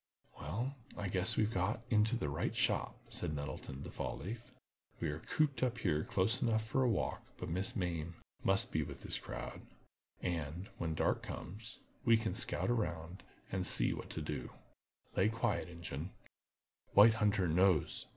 "Well, I guess we've got into the right shop!" said Nettleton to Fall leaf. "We are cooped up here close enough for a while, but, Miss Mamie must be with this crowd, and when dark comes, we can scout around and see what we can do. Lay quiet, Ingen!" "White hunter knows!